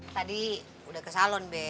tadi udah ke salon deh